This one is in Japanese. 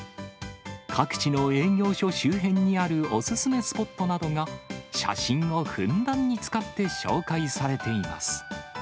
各地の営業所周辺にあるお勧めスポットなどが、写真をふんだんに使って紹介されています。